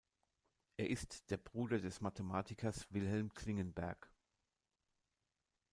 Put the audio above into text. Er ist der Bruder des Mathematikers Wilhelm Klingenberg.